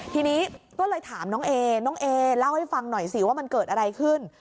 ทีนี้ก็เลยถามน้องเอน้องเอเล่าให้ฟังหน่อยสิว่ามันเกิดอะไรขึ้น